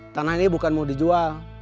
tanah ini bukan mau dijual